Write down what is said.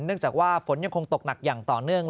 จากว่าฝนยังคงตกหนักอย่างต่อเนื่อง